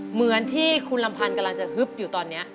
เหมือนที่คุณลำพันธ์กำลังจะฮึบอยู่ตอนนี้